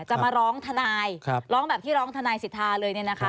จะมาร้องธนายร้องแบบที่ร้องธนายสิทธาเลย